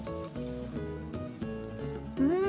うん！